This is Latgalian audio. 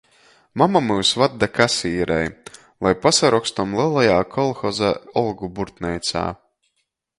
Mama myus vad da kasīrei, lai pasarokstom lelajā kolhoza olgu burtneicā.